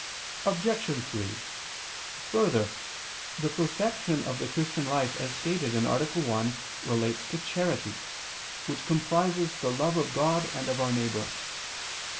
Obj. 3: Further, the perfection of the Christian life, as stated (A. 1), relates to charity, which comprises the love of God and of our neighbor.